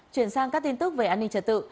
chuyển sang các tin tức về an ninh trật tự